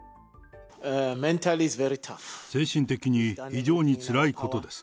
精神的に非常につらいことです。